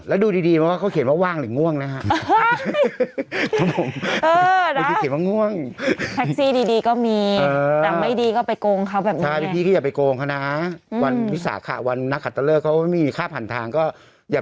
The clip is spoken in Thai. แล้วดูดีเขาเขียนว่าว่างให